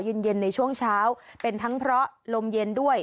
เย็นเย็นในช่วงเช้าเป็นทั้งเพราะลมเย็นด้วย